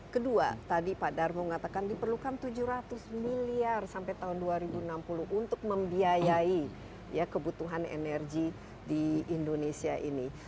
kedua tadi pak darmo mengatakan diperlukan tujuh ratus miliar sampai tahun dua ribu enam puluh untuk membiayai kebutuhan energi di indonesia ini